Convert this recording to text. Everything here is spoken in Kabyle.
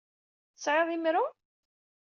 Tesɛiḍ imru?